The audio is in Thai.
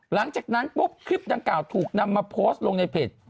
หลังจากนั้นคลิปต่างถูกนำมาโพสต์ลงในเพจ